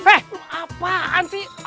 eh apaan sih